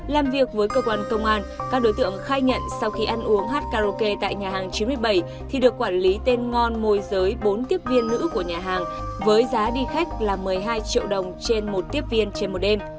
làm việc với cơ quan công an các đối tượng khai nhận sau khi ăn uống hát karaoke tại nhà hàng chín mươi bảy thì được quản lý tên ngon môi giới bốn tiếp viên nữ của nhà hàng với giá đi khách là một mươi hai triệu đồng trên một tiếp viên trên một đêm